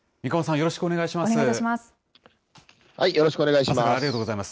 よろしくお願いします。